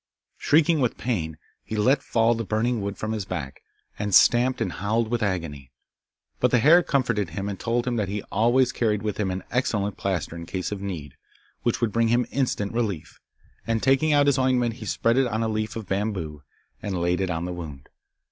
Shrieking with pain, he let fall the burning wood from his back, and stamped and howled with agony. But the hare comforted him, and told him that he always carried with him an excellent plaster in case of need, which would bring him instant relief, and taking out his ointment he spread it on a leaf of bamboo, and laid it on the wound.